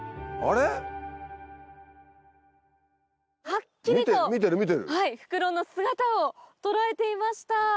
ハッキリとフクロウの姿を捉えていました！